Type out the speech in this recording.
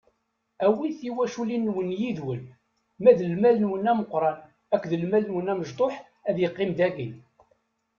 Awit tiwaculin-nwen yid-wen, ma d lmal-nwen ameqran akked lmal-nwen amecṭuḥ ad iqqim dagi.